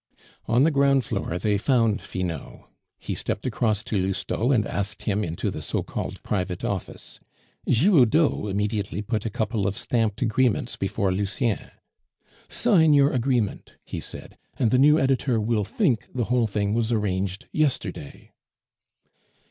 On the ground floor they found Finot. He stepped across to Lousteau and asked him into the so called private office. Giroudeau immediately put a couple of stamped agreements before Lucien. "Sign your agreement," he said, "and the new editor will think the whole thing was arranged yesterday."